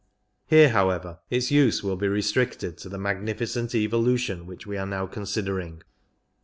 Here, however, its use will be restricted to the magnificent evolution which we are now considering.